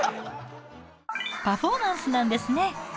パフォーマンスなんですね。